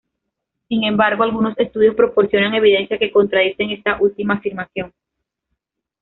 Sin embargo, algunos estudios proporcionan evidencia que contradicen esta última afirmación.